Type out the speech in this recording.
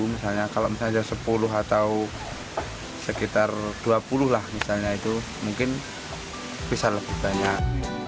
misalnya kalau misalnya sepuluh atau sekitar dua puluh lah misalnya itu mungkin bisa lebih banyak